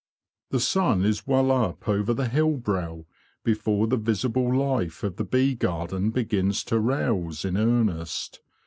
The sun is well up over the hillbrow before the visible life of the bee garden begins to rouse in earnest.